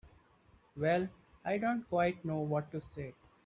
Well—I don't quite know what to say.